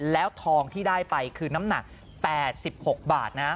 แล้วทองที่ได้ไปคือน้ำหนัก๘๖บาทนะ